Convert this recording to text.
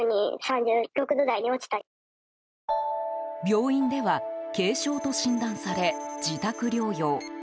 病院では軽症と診断され自宅療養。